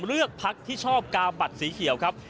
เลือกพักที่ชอบกาบัตรสีเขียวครับ